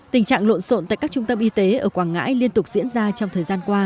tình trạng lộn xộn tại các trung tâm y tế ở quảng ngãi liên tục diễn ra trong thời gian qua